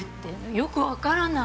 よくわからない。